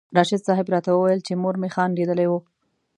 راشد صاحب راته وویل چې مور مې خان لیدلی و.